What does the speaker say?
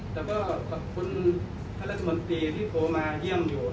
แต่ก็ขอบคุณท่านรัฐมนตรีที่โทรมาเยี่ยมอยู่